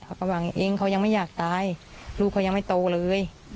เขาบอกเองเขายังไม่อยากตายลูกเขายังไม่โตเลย